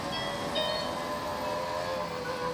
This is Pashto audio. مور د خپلې روغتیا په قیمت د خپلو اولادونو ژوند جوړوي.